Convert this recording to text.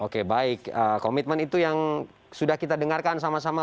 oke baik komitmen itu yang sudah kita dengarkan sama sama